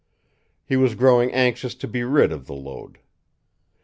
He was growing anxious to be rid of the load.